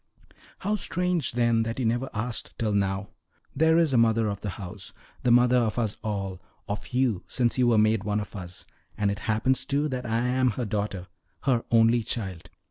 "How strange, then, that you never asked till now! There is a mother of the house the mother of us all, of you since you were made one of us; and it happens, too, that I am her daughter her only child.